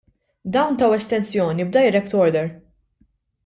Dawn taw estensjoni b'direct order!